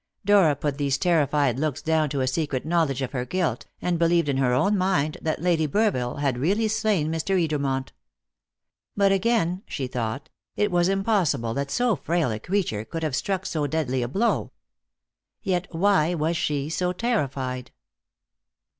Dora put these terrified looks down to a secret knowledge of her guilt, and believed in her own mind that Lady Burville had really slain Mr. Edermont. But again, she thought, it was impossible that so frail a creature could have struck so deadly a blow. Yet, why was she so terrified?